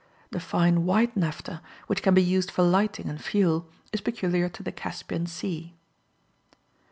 The fine white naphtha, which can be used for lighting and fuel, is peculiar to the Caspian Sea.